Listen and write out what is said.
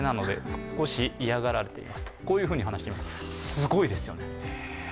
すごいですよね。